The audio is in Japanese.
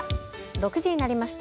６時になりました。